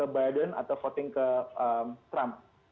biden atau voting ke trump